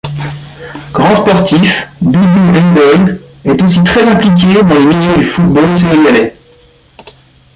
Grand sportif, Doudou Ndoye est aussi très impliqué dans les milieux du football sénégalais.